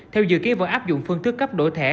theo dự ký vợ áp dụng phương thức cấp đổi thẻ